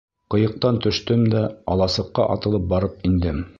Ҡыйыҡтан төштөм дә аласыҡҡа атылып барып индем.